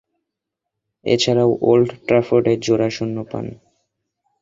এছাড়াও, ওল্ড ট্রাফোর্ডে জোড়া শূন্য পান।